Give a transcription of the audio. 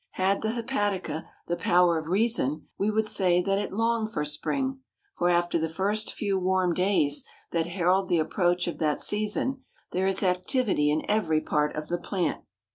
Had the Hepatica the power of reason we would say that it longed for spring, for after the first few warm days that herald the approach of that season there is activity in every part of the plant.